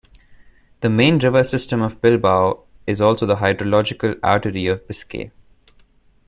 The main river system of Bilbao is also the hydrological artery of Biscay.